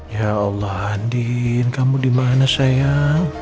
ya allah andin kamu dimana sayang